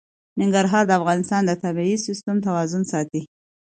ننګرهار د افغانستان د طبعي سیسټم توازن ساتي.